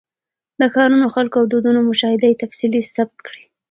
د ښارونو، خلکو او دودونو مشاهده یې تفصیلي ثبت کړې.